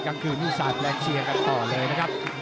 กลางคืนนี่สาดแรงเชียร์กันต่อเลยนะครับ